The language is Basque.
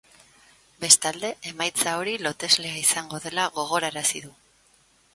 Bestalde, emaitza hori loteslea izango dela gogorarazi du.